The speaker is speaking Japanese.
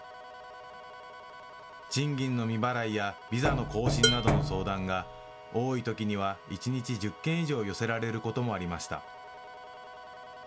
賃金の未払いやビザの更新などの相談が多いときには一日１０件以上、寄せられることもありました。